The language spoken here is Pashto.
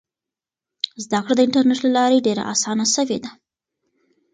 زده کړه د انټرنیټ له لارې ډېره اسانه سوې ده.